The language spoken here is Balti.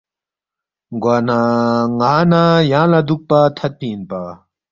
گوانہ ن٘ا نہ یانگ لہ دُوکپا تھدفی اِنپا